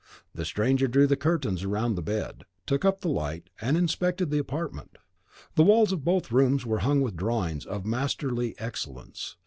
The stranger drew the curtains round the bed, took up the light, and inspected the apartment. The walls of both rooms were hung with drawings of masterly excellence.